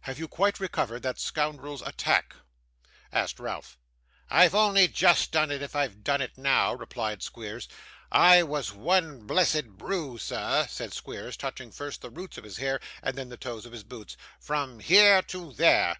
'Have you quite recovered that scoundrel's attack?' asked Ralph. 'I've only just done it, if I've done it now,' replied Squeers. 'I was one blessed bruise, sir,' said Squeers, touching first the roots of his hair, and then the toes of his boots, 'from HERE to THERE.